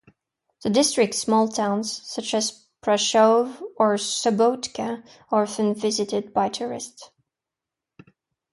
The district's small towns, such as Prachov or Sobotka, are often visited by tourists.